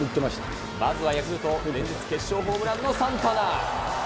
まずはヤクルト、連日決勝ホームランのサンタナ。